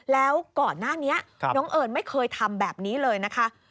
แล้วก่อนหน้านี้น้องเอิญไม่เคยทำแบบนี้เลยนะคะ